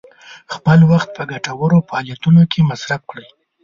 خپل وخت په ګټورو فعالیتونو کې مصرف کړئ.